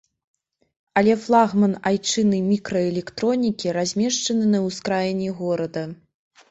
Але флагман айчыннай мікраэлектронікі размешчаны на ўскраіне горада.